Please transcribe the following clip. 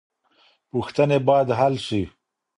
پوښتنې بايد حل سي.